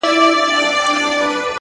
دا له سترګو فریاد ویښ غوږونه اوري,